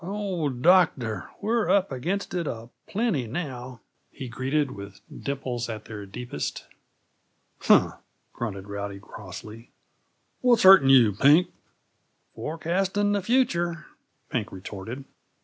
"Oh, doctor! We're up against it a plenty now," he greeted, with his dimples at their deepest. "Huh!" grunted Rowdy crossly. "What's hurting you, Pink?" "Forecasting the future," Pink retorted.